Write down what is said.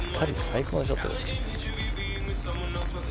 最高のショットです。